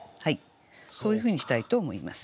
そういうふうにしたいと思います。